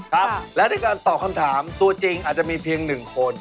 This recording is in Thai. ครับแล้วในการตอบคำถามตัวจริงอาจจะมีเพียง๑คน